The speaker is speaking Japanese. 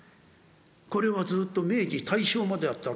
これはずっと明治大正まであった。